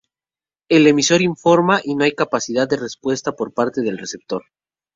El emisor informa y no hay capacidad de respuesta por parte del receptor.